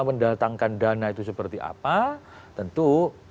mendatangkan dana itu seperti apa tentu